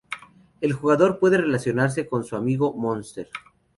El jugador puede relacionarse con su amigo Monster.